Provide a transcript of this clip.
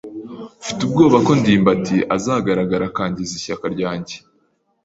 Mfite ubwoba ko ndimbati azagaragara akangiza ishyaka ryanjye.